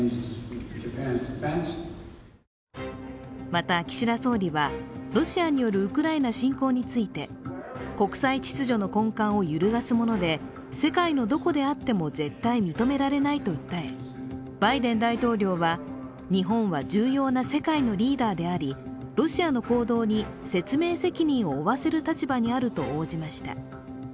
また、岸田総理はロシアによるウクライナ侵攻について国際秩序の根幹を揺るがすもので、世界のどこであっても絶対認められないと訴えバイデン大統領は日本は重要な世界のリーダーでありロシアの行動に説明責任を負わせる立場にあると応じました。